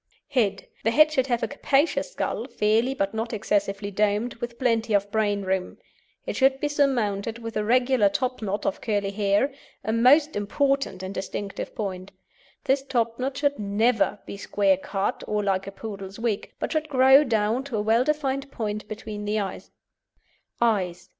HEAD The head should have a capacious skull, fairly but not excessively domed, with plenty of brain room. It should be surmounted with a regular topknot of curly hair, a most important and distinctive point. This topknot should never be square cut or like a poodle's wig, but should grow down to a well defined point between the eyes.